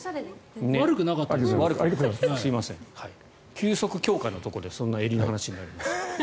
急速強化のところでそんな襟の話になりました。